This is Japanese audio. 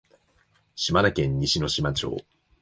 島根県西ノ島町